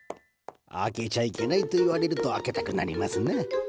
開けちゃいけないと言われると開けたくなりますな。